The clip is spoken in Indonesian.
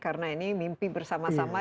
karena ini mimpi bersama sama